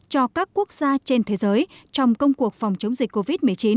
cho các quốc gia trên thế giới trong công cuộc phòng chống dịch covid một mươi chín